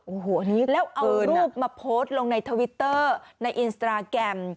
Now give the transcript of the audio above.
โอ้โหแล้วเอารูปมาโพสต์ลงในทวิตเตอร์ในอินสตราแกรม